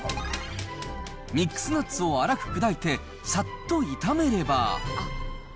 ミックスナッツを粗く砕いてさっと炒めれば。